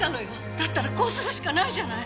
だったらこうするしかないじゃない！